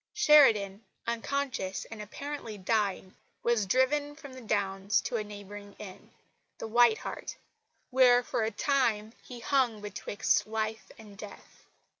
Sheridan, unconscious and apparently dying, was driven from the Downs to a neighbouring inn, "The White Hart," where for a time he hung betwixt life and death.